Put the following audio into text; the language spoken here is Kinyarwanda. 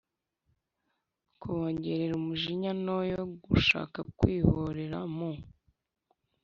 kubongerera umujinya no yo gushaka kwihorera mu